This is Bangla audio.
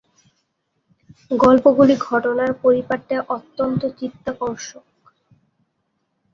গল্পগুলি ঘটনার পারিপাট্যে অত্যন্ত চিত্তাকর্ষক।